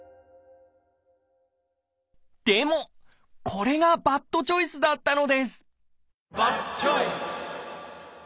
でもこれがバッドチョイスだったのですバッドチョイス！